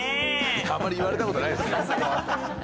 あんまり言われたことないですけど。